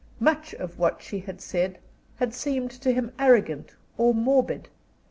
Much of what she had said had seemed to him arrogant or morbid.